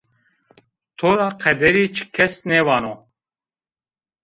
To ra qederî çi kes nêvano